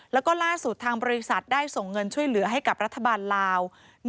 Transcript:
แล้วก็ล่าสุดทางบริษัทได้ส่งเงินช่วยเหลือให้กับรัฐบาลลาว